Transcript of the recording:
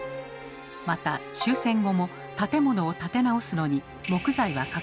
また終戦後も建物を建て直すのに木材は欠かせませんでした。